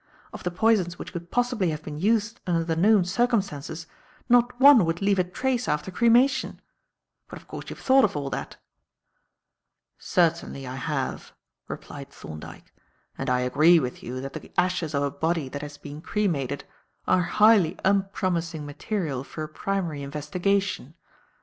Of the poisons which could possibly have been used under the known circumstances, not one would leave a trace after cremation. But, of course, you've thought of all that." "Certainly, I have," replied Thorndyke, "and I agree with you that the ashes of a body that has been cremated are highly unpromising material for a primary investigation.